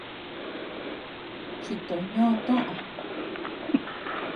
Chito ñö toʼö.